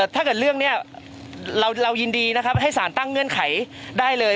ถ้าเกิดเรื่องนี้เรายินดีนะครับให้สารตั้งเงื่อนไขได้เลย